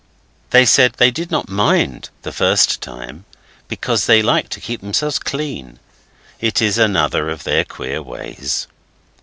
They said they did not mind the first time, because they like to keep themselves clean; it is another of their queer ways.